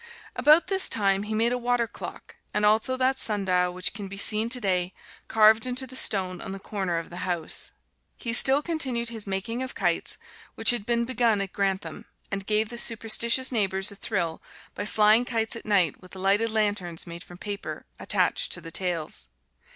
About this time he made a water clock, and also that sundial which can be seen today, carved into the stone on the corner of the house. He still continued his making of kites which had been begun at Grantham; and gave the superstitious neighbors a thrill by flying kites at night with lighted lanterns made from paper, attached to the tails.